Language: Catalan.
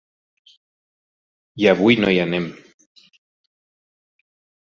I avui no hi anem.